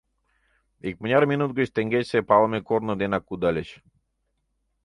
Икмыняр минут гыч теҥгечысе палыме корно денак кудальыч.